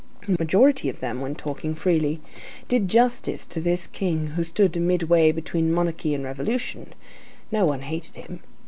The majority of them, when talking freely, did justice to this king who stood midway between monarchy and revolution; no one hated him.